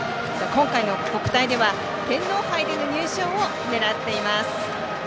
今回の国体では天皇杯での入賞を狙っています。